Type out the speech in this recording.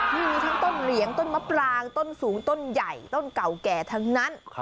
ที่มีทั้งต้นเหลียงต้นมะปรางต้นสูงต้นใหญ่ต้นเก่าแก่ทั้งนั้น